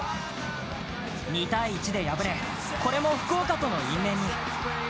２−１で敗れ、これも福岡との因縁に。